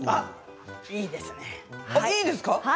いいですね。